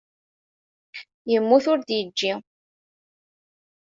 Yemmut ur d-yeǧǧi.